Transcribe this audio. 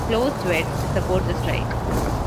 Closed Wed. to support the strike.